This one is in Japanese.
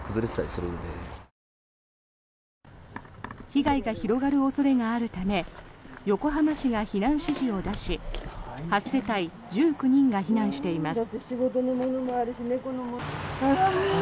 被害が広がる恐れがあるため横浜市が避難指示を出し８世帯１９人が避難しています。